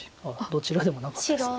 どちらでもなかったです。